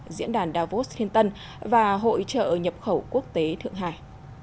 diễn đàn davos thiên tân và hội trợ nhập khẩu quốc tế thượng hải